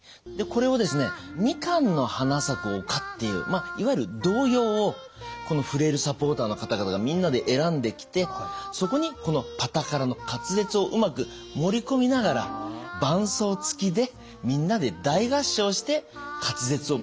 これをですね「みかんの花咲く丘」っていういわゆる童謡をこのフレイルサポーターの方々がみんなで選んできてそこにこの「パタカラ」の滑舌をうまく盛り込みながら伴奏つきでみんなで大合唱して滑舌をトレーニングする。